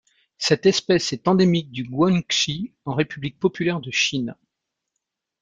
Cette espèce est endémique du Guangxi en République populaire de Chine.